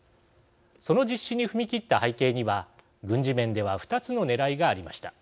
その実施に踏み切った背景には軍事面では２つのねらいがありました。